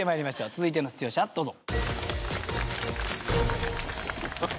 続いての出場者どうぞ。